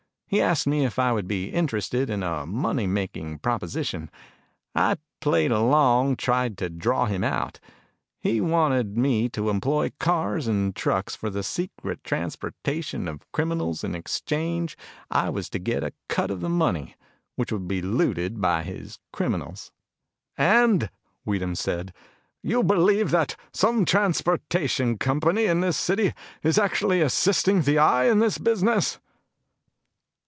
He asked me if I would be interested in a money making proposition. I played him along, tried to draw him out. He wanted me to employ cars and trucks for the secret transportation of criminals and in exchange I was to get a cut of the money which would be looted by his criminals." "And," Weedham said, "you believe that some transportation company in this city is actually assisting the Eye in this business?"